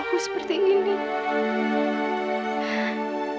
kenapa nasib memperbaikanku seperti ini